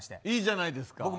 いいじゃないですか。